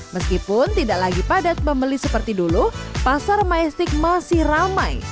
meskipun tidak lagi padat pembeli seperti dulu pasar majestik masih ramai